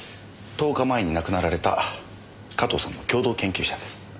１０日前に亡くなられた加藤さんの共同研究者です。